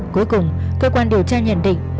cuối cùng cơ quan điều tra nhận định